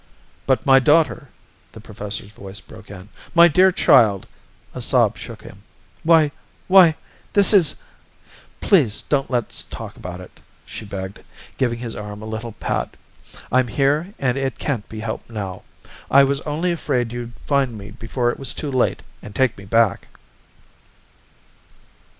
"But, my daughter!" the professor's voice broke in. "My dear child!" A sob shook him. "Why, why, this is " "Please don't let's talk about it!" she begged, giving his arm a little pat. "I'm here and it can't be helped now. I was only afraid you'd find me before it was too late and take me back."